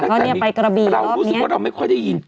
ก็นี่ไปกระบีรอบนี้เรารู้สึกว่าเราไม่ค่อยได้ยิน